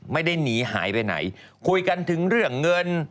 ไม่ได้หนีหายไปไหนคุยกันถึงเรื่องเงิน